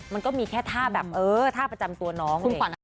มันก็มีแค่ท่าประจำตัวน้องเลย